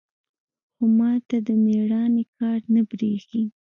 خو ما ته د ميړانې کار نه بريښي.